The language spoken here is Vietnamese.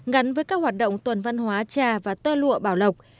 gắn với các hoạt động tuần văn hóa trà và tơ lụa bảo lộc